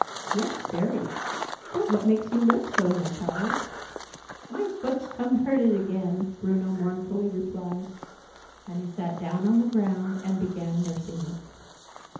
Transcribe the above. "Yes, very: but what makes you limp so, my child?" "Mine foot's come hurted again!" Bruno mournfully replied. And he sat down on the ground, and began nursing it.